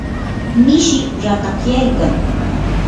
mishii ratakyaykan.